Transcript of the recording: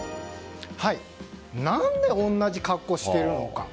何で同じ格好をしているのか。